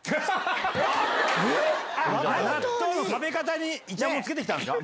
納豆の食べ方にいちゃもんつけたんですか？